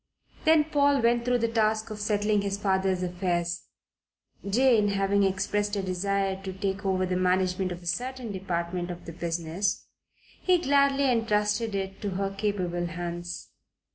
Then Paul went through the task of settling his father's affairs. Jane having expressed a desire to take over the management of a certain department of the business, he gladly entrusted it to her capable hands.